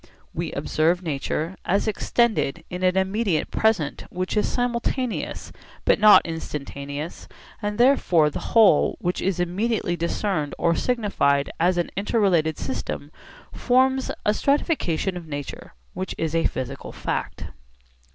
We observe nature as extended in an immediate present which is simultaneous but not instantaneous, and therefore the whole which is immediately discerned or signified as an inter related system forms a stratification of nature which is a physical fact.